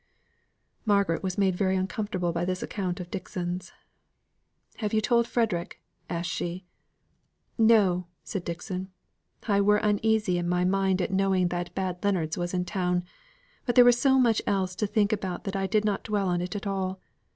Margaret was made very uncomfortable by this account of Dixon's. "Have you told Frederick?" asked she. "No," said Dixon. "I were uneasy in my mind at knowing that bad Leonards was in town; but there was so much else to think about that I did not dwell on it all.